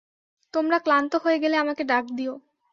তোমরা ক্লান্ত হয়ে গেলে আমাকে ডাক দিও।